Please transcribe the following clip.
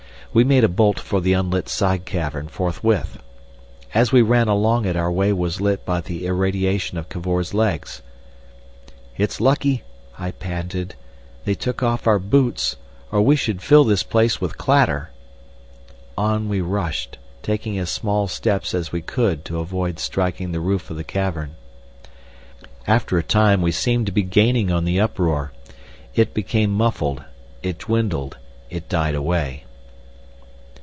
We made a bolt for the unlit side cavern forthwith. As we ran along it our way was lit by the irradiation of Cavor's legs. "It's lucky," I panted, "they took off our boots, or we should fill this place with clatter." On we rushed, taking as small steps as we could to avoid striking the roof of the cavern. After a time we seemed to be gaining on the uproar. It became muffled, it dwindled, it died away.